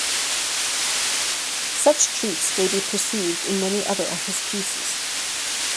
Such treats may be perceived in many other of his pieces.